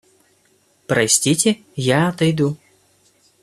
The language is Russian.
Простите, я отойду.